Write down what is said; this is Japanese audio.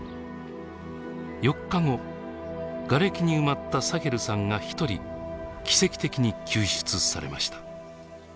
４日後がれきに埋まったサヘルさんが一人奇跡的に救出されました。